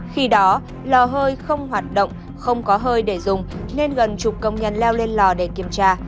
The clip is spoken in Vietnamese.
khi đó lò hơi không hoạt động không có hơi để dùng nên gần chục công nhân leo lên lò để kiểm tra